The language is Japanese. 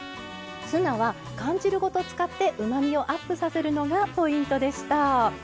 ツナは缶汁ごと使ってうまみをアップさせるのがポイントでした。